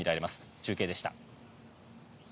中継でした。